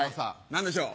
何でしょう。